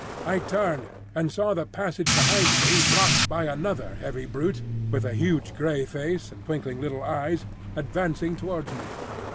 I turned and saw the passage behind me blocked by another heavy brute, with a huge grey face and twinkling little eyes, advancing towards me.